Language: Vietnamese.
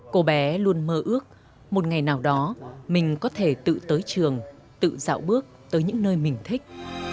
cô bé luôn mơ ước một ngày nào đó mình có thể tự tới trường tự dạo bước tới những nơi mình thích